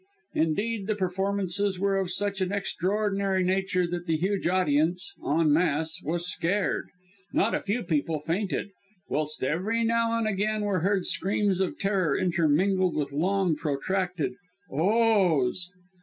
Indeed, the performances were of such an extraordinary nature that the huge audience, en masse, was scared; not a few people fainted, whilst every now and again were heard screams of terror intermingled with long protracted 'Ohs!'"